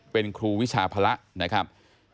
เป็นครูวิชาภาระนะครับ